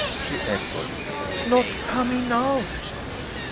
she echoed. "Not coming out!"